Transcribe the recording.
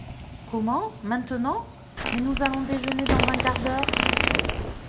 Comment, maintenant ?… mais nous allons déjeuner dans un quart d’heure.